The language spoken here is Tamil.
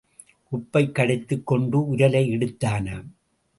உப்பைக் கடித்துக் கொண்டு உரலை இடித்தானாம்.